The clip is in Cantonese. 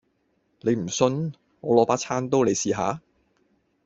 你唔信，我攞把餐刀你試下